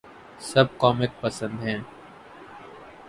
سب کو میک پسند ہیں